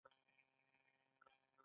هغه کوم توکي دي چې پانګوال یې باید وپېري